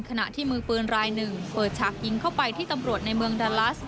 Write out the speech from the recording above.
ขณะที่มือปืนรายหนึ่งเปิดฉากยิงเข้าไปที่ตำรวจในเมืองดาลัส